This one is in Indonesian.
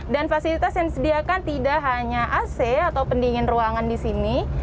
dan fasilitas yang disediakan tidak hanya ac atau pendingin ruangan di sini